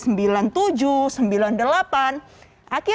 akhirnya presiden jokowi menolak